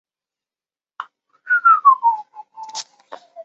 挪威国王奥拉夫二世的妻子阿斯特里德是厄蒙德的同父同母妹妹。